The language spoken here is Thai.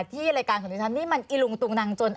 ที่รายการของดิฉันนี่มันอิลุงตุงนังจน